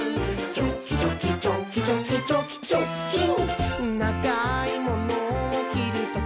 「チョキチョキチョキチョキチョキチョッキン！」